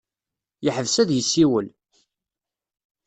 Yeḥbes ad yessiwel.